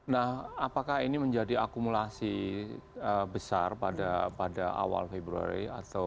nah apakah ini menjadi akumulasi besar pada awal februari